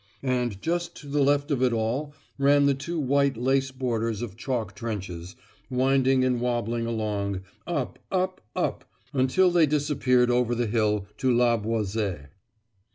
And just to the left of it all ran the two white lace borders of chalk trenches, winding and wobbling along, up, up, up until they disappeared over the hill to La Boiselle.